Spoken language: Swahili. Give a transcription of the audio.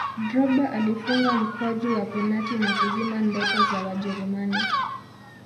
drogba alifunga mkwaju wa penati na kuzima ndoto za wajerumani